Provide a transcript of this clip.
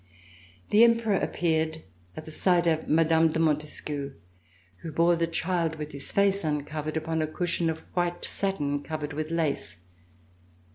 The Emperor appeared at the side of Mme. de Montes quiou, who bore the child with his face uncovered, upon a cushion of white satin covered with lace.